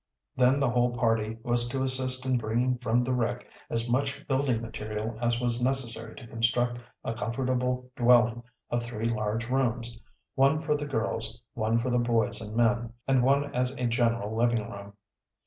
Then the whole party was to assist in bringing from the wreck as much building material as was necessary to construct a comfortable dwelling of three large rooms, one for the girls, one for the boys and men, and one as a general living room.